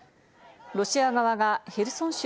ロシア側がヘルソン州